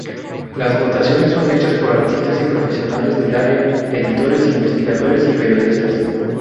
Las votaciones son hechas por artistas y profesionales del área, editores, investigadores y periodistas.